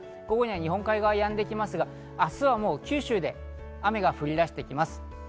午後には日本海側やんできますが、明日には九州で雨が降り出してきます。